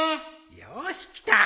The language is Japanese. よしきた！